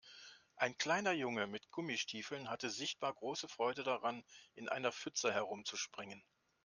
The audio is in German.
Ein kleiner Junge mit Gummistiefeln hatte sichtbar große Freude daran, in einer Pfütze herumzuspringen.